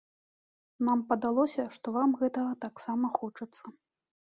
Нам падалося, што вам гэтага таксама хочацца.